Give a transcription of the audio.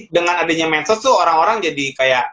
dengan adanya medsos tuh orang orang jadi kayak